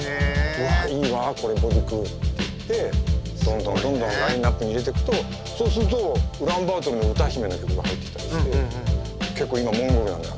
うわいいわＢｏｄｉｋｈｕｕっていってどんどんどんどんラインナップに入れてくとそうするとウランバートルの歌姫の曲が入ってきたりして結構今モンゴルなのよ